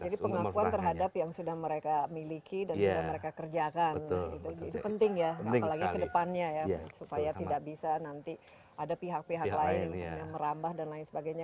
jadi pengakuan terhadap yang sudah mereka miliki dan sudah mereka kerjakan itu penting ya apalagi kedepannya ya supaya tidak bisa nanti ada pihak pihak lain yang merambah dan lain sebagainya